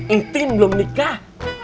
intin belum nikah